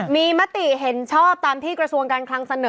มีมติเห็นชอบตามที่กระทรวงการคลังเสนอ